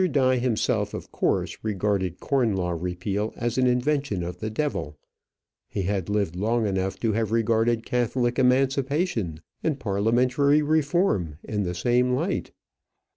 Mr. Die himself of course regarded corn law repeal as an invention of the devil. He had lived long enough to have regarded Catholic emancipation and parliamentary reform in the same light.